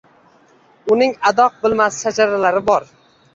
Uning adoq bilmas shajaralari bor.